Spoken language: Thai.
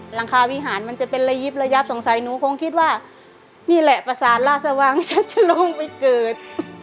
หลังคาวิหารมันจะเป็นระยิบระยับสงสัยหนูคงคิดว่านี่แหละประสานราชวังฉันจะลงไปเกิด